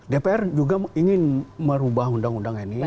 dpr juga ingin merubah undang undang ini